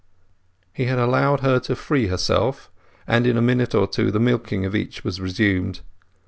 He had allowed her to free herself; and in a minute or two the milking of each was resumed.